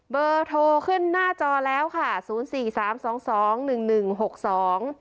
เบอร์โทรขึ้นหน้าจอแล้วค่ะศูนย์สี่สามสองสองหนึ่งหนึ่งหกสอง